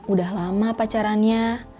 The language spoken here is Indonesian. udah lama pacarannya